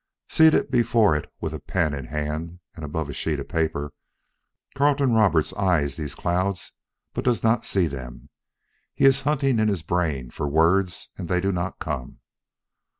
Seated before it with pen in hand above a sheet of paper, Carleton Roberts eyes these clouds but does not see them; he is hunting in his brain for words and they do not come.